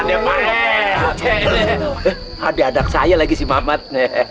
aduh adek adek saya lagi si mamat